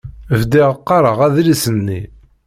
Bdiɣ qqareɣ adlis-nni.